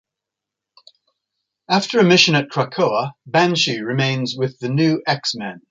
After a mission at Krakoa, Banshee remains with the "New X-Men".